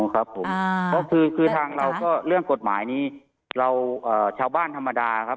อ๋อครับผมอ่าเพราะคือคือทางเราก็เรื่องกฎหมายนี้เราเอ่อชาวบ้านธรรมดาครับ